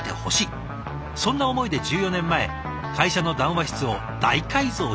そんな思いで１４年前会社の談話室を大改造しちゃったそうです。